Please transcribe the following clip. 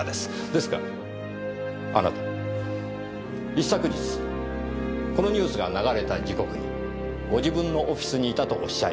ですがあなたは一昨日このニュースが流れた時刻にご自分のオフィスにいたとおっしゃいました。